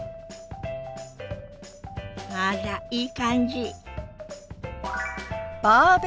あらいい感じ。